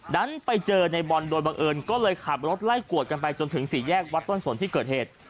ดันไปเจอในบอลโดยบังเอิญก็เลยขับรถไล่กวดกันไปจนถึงสี่แยกวัดต้นสนที่เกิดเหตุ